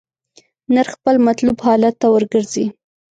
نرخ خپل مطلوب حالت ته ورګرځي.